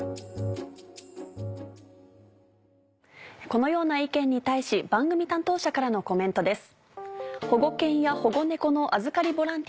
このような意見に対し番組担当者からのコメントです。